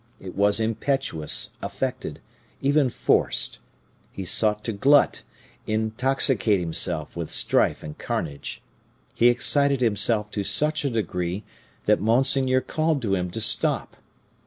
It was impetuous, affected, even forced; he sought to glut, intoxicate himself with strife and carnage. He excited himself to such a degree that monseigneur called to him to stop.